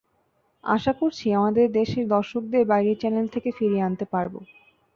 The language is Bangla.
আশা করছি, আমাদের দেশের দর্শকদের বাইরের চ্যানেল থেকে ফিরিয়ে আনতে পারব।